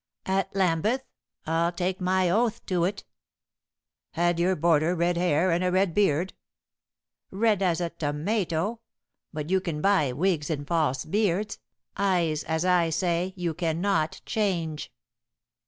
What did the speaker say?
"At Lambeth. I'll take my oath to it." "Had your boarder red hair and a red beard?" "Red as a tomato. But you can buy wigs and false beards. Eyes, as I say, you cannot change."